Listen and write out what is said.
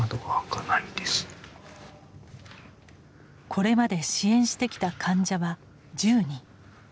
これまで支援してきた患者は１０人。